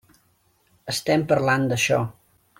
Estem parlant d'això.